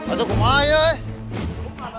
aduh gue mah aja ya